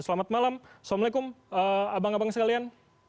selamat malam assalamualaikum abang abang sekalian